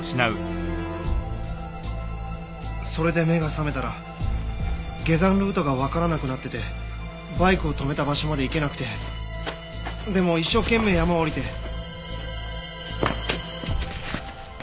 それで目が覚めたら下山ルートがわからなくなっててバイクを止めた場所まで行けなくてでも一生懸命山を下りて。